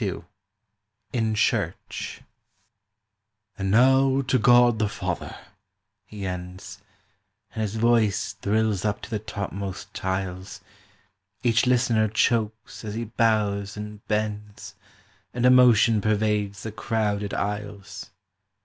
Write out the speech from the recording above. II IN CHURCH "AND now to God the Father," he ends, And his voice thrills up to the topmost tiles: Each listener chokes as he bows and bends, And emotion pervades the crowded aisles.